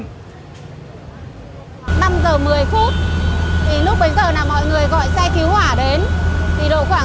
năm giờ một mươi phút